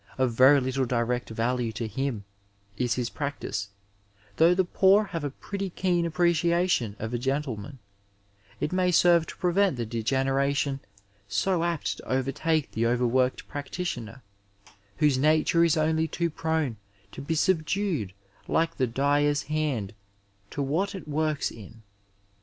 Of very littie direct value to him in his practice — ^though the poor have a pretty keen appreciation of a gentieman — ^it may serve to pre vent the degeneration so apt to overtake the overworked practitioner, whose nature is only too prone to be subdued like the dyer's hand to what it works in.